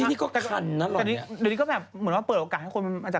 เดี๋ยวนี้ก็แบบเปิดโอกาสให้คนมาจากตลาด